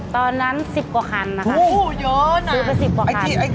ตอนนั้น๑๐กว่าคันนะครับสื้อไป๑๐กว่าคันมะอุ๊ยเยอะนะ